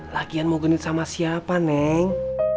lagian mau genit sama siapa neng